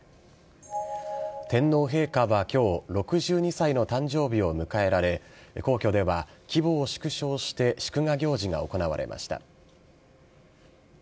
天皇陛下はきょう、６２歳の誕生日を迎えられ、皇居では規模を縮小して祝賀行事が行われました。